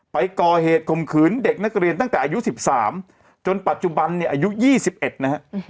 ไปก่อเหตุคมขืนเด็กนักเรียนตั้งแต่อายุสิบสามจนปัจจุบันเนี่ยอายุยี่สิบเอ็ดนะฮะ